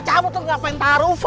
tantangin lu ya